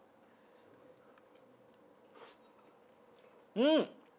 うん！